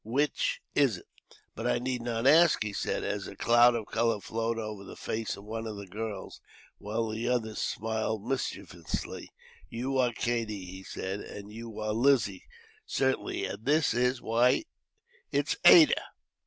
Which is it? "But I need not ask," he said, as a cloud of colour flowed over the face of one of the girls, while the others smiled mischievously. "You are Katie," he said, "and you are Lizzie, certainly, and this is why, it is Ada!